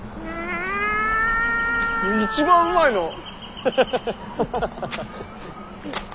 一番うまいのう！